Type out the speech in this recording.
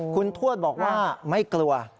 คุณทวดบอกว่าไม่กลัว